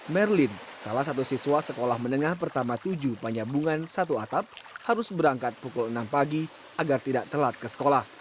merlin salah satu siswa sekolah menengah pertama tujuh panyabungan satu atap harus berangkat pukul enam pagi agar tidak telat ke sekolah